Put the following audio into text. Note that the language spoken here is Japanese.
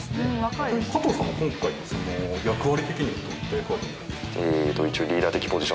加藤さんは今回役割的にはどういった役割になるんですか？